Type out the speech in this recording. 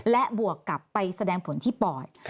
และบวกกลับไปแสดงผลที่ปอด